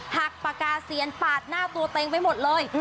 หักปากกาเซียนปาดหน้าตัวเต็งไปหมดเลย